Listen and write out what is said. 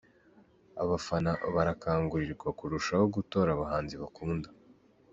Abafana barakangurirwa kurushaho gutora abahanzi bakunda.